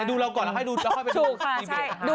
ดูเราก่อนแล้วค่อยไปดู